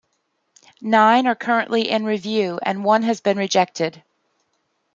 Nine are currently in review and one has been rejected.